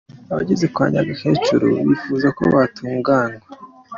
Abageze kwa Nyagakecuru bifuza ko hatunganywa.